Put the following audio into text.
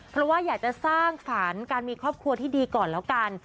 เพราะว่าอยากจะสร้างฝันการมีครอบครัวที่ดีก่อนแล้วกัน